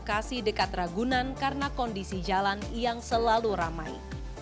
lokasi dekat pragunan karena kondisi jalan yang selalu ramai